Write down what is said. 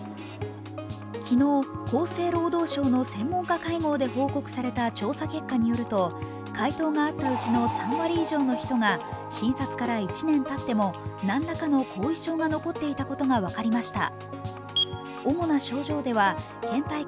昨日、厚生労働省の専門家会合で報告された調査結果によると、回答があったうちの３割以上の人が診察から１年たっても何らかの後遺症が残っていたことが分かりました。